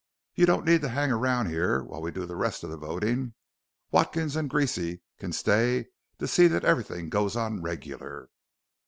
You don't need to hang around here while we do the rest of the votin'. Watkins an' Greasy c'n stay to see that everything goes on regular."